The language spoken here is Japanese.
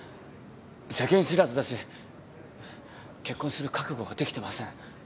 世間知らずだし結婚する覚悟ができてません。